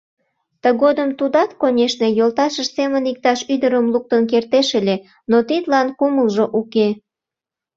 Тыгодым тудат, конешне, йолташыж семын иктаж ӱдырым луктын кертеш ыле, но тидлан кумылжо уке.